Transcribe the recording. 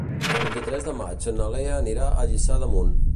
El vint-i-tres de maig na Lea anirà a Lliçà d'Amunt.